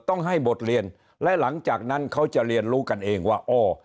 ต้องให้บทเรียนและหลังจากนั้นเขาจะเรียนรู้กันเองว่าอ้อ